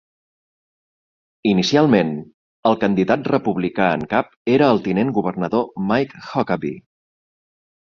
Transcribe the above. Inicialment, el candidat republicà en cap era el tinent governador Mike Huckabee.